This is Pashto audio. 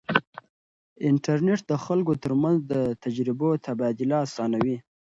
انټرنیټ د خلکو ترمنځ د تجربو تبادله اسانوي.